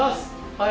はい。